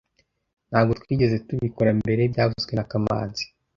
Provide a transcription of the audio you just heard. Ntabwo twigeze tubikora mbere byavuzwe na kamanzi